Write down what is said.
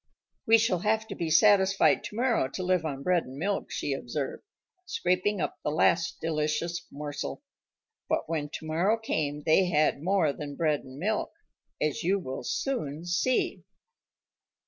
"We shall have to be satisfied tomorrow to live on bread and milk," she observed, scraping up the last delicious morsel. But when tomorrow came they had more than bread and milk, as you will soon see.